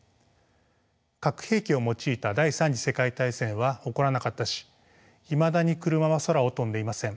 核兵器を用いた第３次世界大戦は起こらなかったしいまだに車は空を飛んでいません。